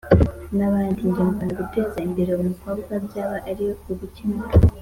n’ahandi. Nge mbona guteza imbere umukobwa byaba ari ugukemura